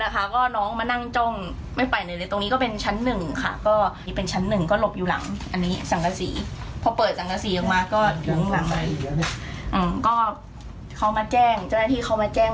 ก็เขามาแจ้งเจ้าหน้าที่เขามาแจ้ง